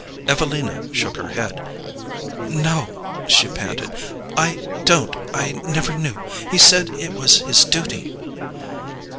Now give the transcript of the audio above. Evelina shook her head. "No," she panted "I don't I never knew. He said it was his duty."